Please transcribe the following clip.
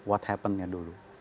apa yang terjadi dulu